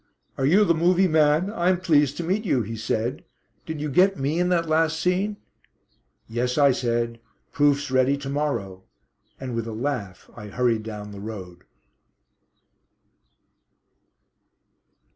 "Are you the 'movie' man? I'm pleased to meet you," he said. "Did you get me in that last scene?" "Yes," I said. "Proofs ready to morrow." And with a laugh I hurried down the road.